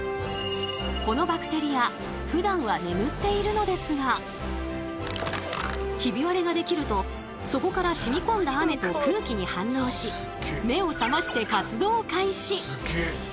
このバクテリアヒビ割れができるとそこから染み込んだ雨と空気に反応し目を覚まして活動開始。